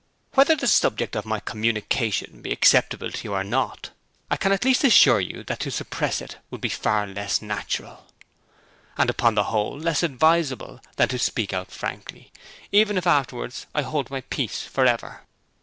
Whether the subject of my communication be acceptable to you or not, I can at least assure you that to suppress it would be far less natural, and upon the whole less advisable, than to speak out frankly, even if afterwards I hold my peace for ever.